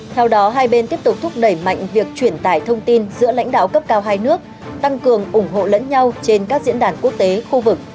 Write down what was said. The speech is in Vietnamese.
theo đó hai bên tiếp tục thúc đẩy mạnh việc chuyển tải thông tin giữa lãnh đạo cấp cao hai nước tăng cường ủng hộ lẫn nhau trên các diễn đàn quốc tế khu vực